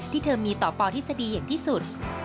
ที่เธอมีต่อปทฤษฎีอย่างที่สุด